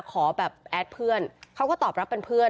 ขอแบบแอดเพื่อนเขาก็ตอบรับเป็นเพื่อน